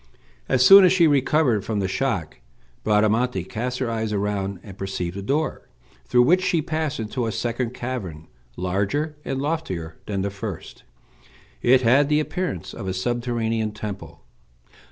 As soon as she recovered from the shock Bradamante cast her eyes around and perceived a door, through which she passed into a second cavern, larger and loftier than the first. It had the appearance of a subterranean temple.